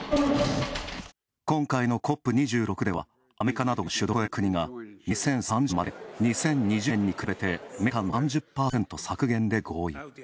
今回のＣＯＰ２６ではアメリカなどが主導し、１００を超える国が２０３０年までに２０２０年に比べてメタンの３０％削減で合意。